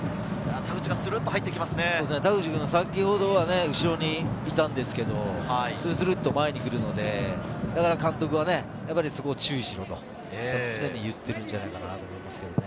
田口君、先ほどは後ろにいたんですけれど、スルスルっと前に来るので、監督はそこを注意しろと常に言っているんじゃないかなと思います。